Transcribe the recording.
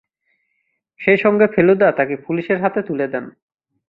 সেইসঙ্গে ফেলুদা তাকে পুলিশের হাতে তুলে দেন।